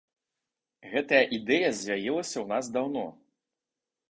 Гэтая ідэя з'явілася ў нас даўно.